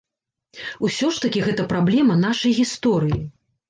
Усё ж такі гэта праблема нашай гісторыі.